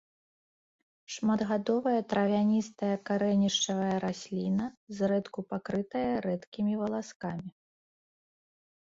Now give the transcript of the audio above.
Шматгадовая травяністая карэнішчавая расліна, зрэдку пакрытая рэдкімі валаскамі.